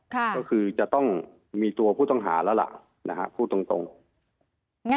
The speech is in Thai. ก็คือจะต้องมีพวกผู้ต้องหารแล้วละนะฮะพูดตรง